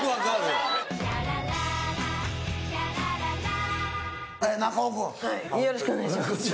よろしくお願いします。